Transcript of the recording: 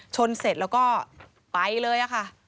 ชนเสร็จแล้วก็ไปเลยค่ะ